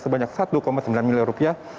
sebanyak satu sembilan miliar rupiah